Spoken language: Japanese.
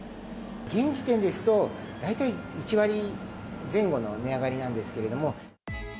現時点ですと、大体１割前後の値上がりなんですけれども。